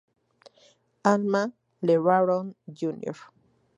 Alma LeBaron Jr.